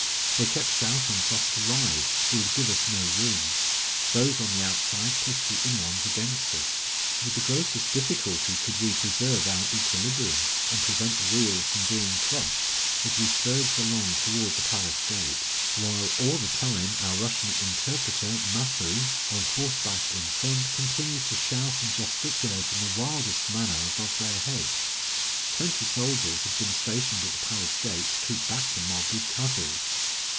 They kept shouting for us to ride, but would give us no room. Those on the outside pushed the inner ones against us. With the greatest difficulty could we preserve our equilibrium, and prevent the wheels from being crushed, as we surged along toward the palace gate; while all the time our Russian interpreter, Mafoo, on horseback in front, continued to shout and gesticulate in the wildest manner above their heads. Twenty soldiers had been stationed at the palace gate to keep back the mob with cudgels.